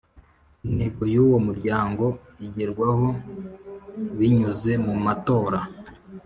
Intego y uwo Muryango igerwaho binyuze mumatora